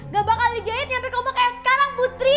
gak bakal dijahit nyampe kombo kayak sekarang putri